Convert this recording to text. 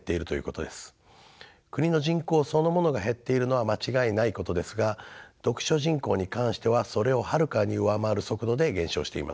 国の人口そのものが減っているのは間違いないことですが読書人口に関してはそれをはるかに上回る速度で減少しています。